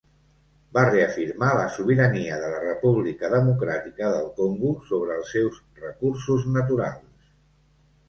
Va reafirmar la sobirania de la República Democràtica del Congo sobre els seus recursos naturals.